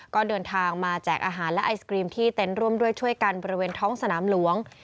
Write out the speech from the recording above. ก็เดินทางมาแจกอาหารและไอศกรีมที่เต็นต์ร่วมด้วยช่วยกันบริเวณท้องสนามหลวง